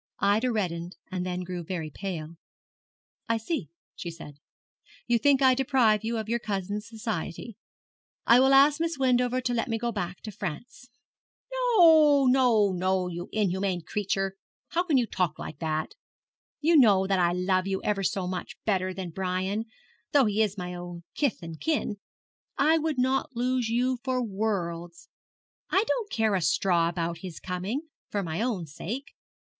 Ida reddened, and then grew very pale. 'I see,' she said, 'you think I deprive you of your cousin's society. I will ask Miss Wendover to let me go back to France.' 'No, no, no, you inhuman creature! how can you talk like that? You know that I love you ever so much better than Brian, though he is my own kith and kin. I would not lose you for worlds. I don't care a straw about his coming, for my own sake.